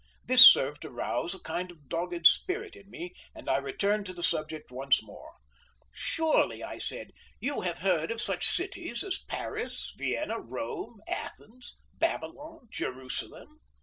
This served to rouse a kind of dogged spirit in me, and I returned to the subject once more. "Surely," I said, "you have heard of such cities as Paris, Vienna, Rome, Athens, Babylon, Jerusalem?"